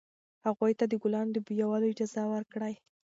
هغوی ته د ګلانو د بویولو اجازه ورکړئ.